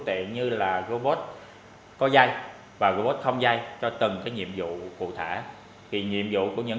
tiện như là robot có dây và robot không dây cho từng cái nhiệm vụ cụ thể thì nhiệm vụ của những